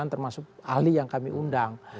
dari berbagai masyarakat termasuk ahli yang kami undang